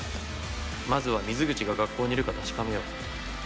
まずは水口が学校にいるか確かめよう。